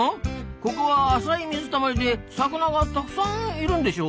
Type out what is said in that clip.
ここは浅い水たまりで魚がたくさんいるんでしょ？